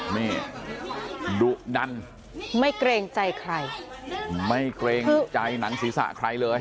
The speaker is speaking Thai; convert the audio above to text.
นี่ดุดันไม่เกรงใจใครไม่เกรงใจหนังศีรษะใครเลย